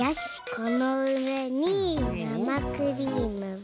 このうえになまクリームは。